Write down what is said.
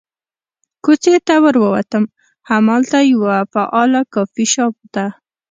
کوڅې ته ور ووتم، همالته یوه فعال کافي شاپ ته.